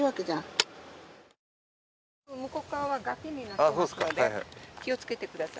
向こう側は崖になってますので、気をつけてください。